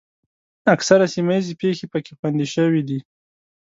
اکثره سیمه ییزې پېښې پکې خوندي شوې دي.